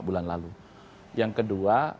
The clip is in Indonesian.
bulan lalu yang kedua